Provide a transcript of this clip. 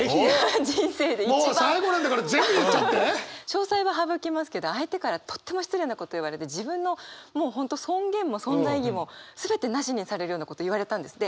詳細は省きますけど相手からとっても失礼なこと言われて自分のもう本当尊厳も存在意義も全てなしにされるようなこと言われたんです。